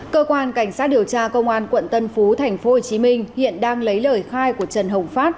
cơ quan cảnh sát điều tra công an quận tân phú tp hcm hiện đang lấy lời khai của trần hồng phát